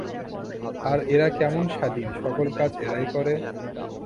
আর এরা কেমন স্বাধীন! সকল কাজ এরাই করে।